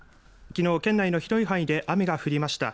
きのう県内の広い範囲で雨が降りました。